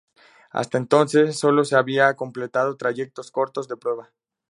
Hasta entonces solo se había completado trayectos cortos de prueba.